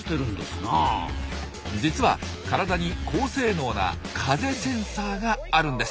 実は体に高性能な風センサーがあるんです。